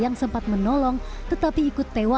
yang jelas air sangat tinggi saat itu